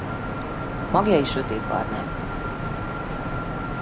Magjai sötétbarnák.